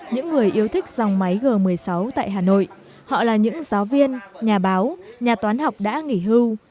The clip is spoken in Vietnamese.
những người yêu thích dòng máy g một mươi sáu tại hà nội họ là những giáo viên nhà báo nhà toán học đã nghỉ hưu